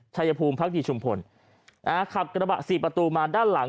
ชายภูมิพักดีชุมพลนะฮะขับกระบะสี่ประตูมาด้านหลัง